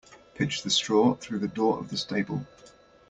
Pitch the straw through the door of the stable.